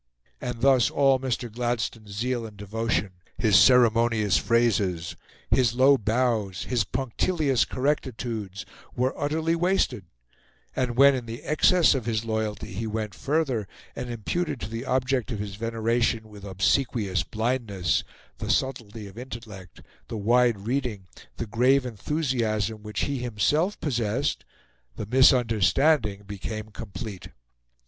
And thus all Mr. Gladstone's zeal and devotion, his ceremonious phrases, his low bows, his punctilious correctitudes, were utterly wasted; and when, in the excess of his loyalty, he went further, and imputed to the object of his veneration, with obsequious blindness, the subtlety of intellect, the wide reading, the grave enthusiasm, which he himself possessed, the misunderstanding became complete.